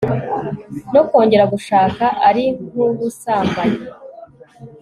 no kongera gushaka ari nk'ubusambanyi